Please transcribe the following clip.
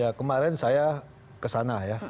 ya kemarin saya kesana ya